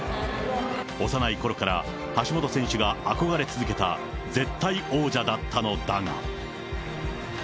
幼いころから橋本選手が憧れ続けた絶対王者だったのだが。